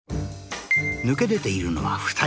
抜け出ているのは２人。